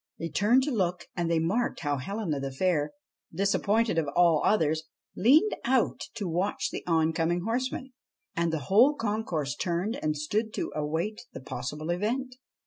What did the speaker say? They turned to look and they marked how Helena the Fair, disappointed of all others, leaned out to watch the oncoming horseman. And the whole concourse turned and stood to await the possible event.